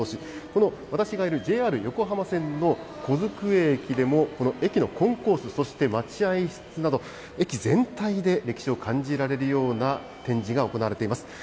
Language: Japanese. この私がいるＪＲ横浜線の小机駅でも、この駅のコンコース、そして待合室など、駅全体で歴史を感じられるような展示が行われています。